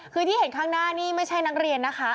คือที่เห็นข้างหน้านี่ไม่ใช่นักเรียนนะคะ